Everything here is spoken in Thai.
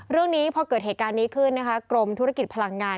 เรื่องนี้พอเกิดเหตุการณ์นี้ขึ้นนะคะกรมธุรกิจพลังงาน